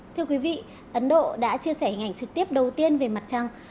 thưa quý vị ấn độ đã chia sẻ hình ảnh trực tiếp đầu tiên về mặt trăng